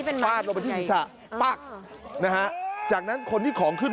บ้านลงไปที่ศิษย์ศิษย์ศาสตร์จากนั้นคนที่ของขึ้น